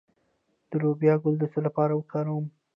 د لوبیا ګل د څه لپاره وکاروم؟